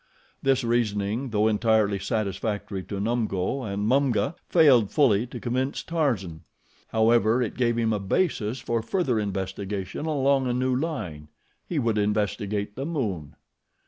This reasoning, though entirely satisfactory to Numgo and Mumga, failed fully to convince Tarzan. However, it gave him a basis for further investigation along a new line. He would investigate the moon.